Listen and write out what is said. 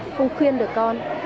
không khuyên được con